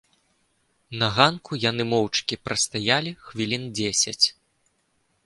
На ганку яны моўчкі прастаялі хвілін дзесяць.